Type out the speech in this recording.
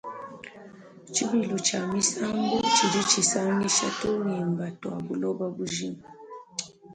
Tshibilu tshia misambu tshidi tshisangisha tungimba tua buloba bujima.